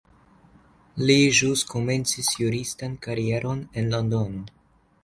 Li ĵus komencis juristan karieron en Londono.